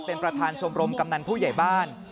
เป็นประธานชมรมกำนันผู้ใหญ่บ้าน